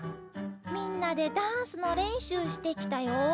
みんなでダンスのれんしゅうしてきたよ。